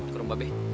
ke rumah be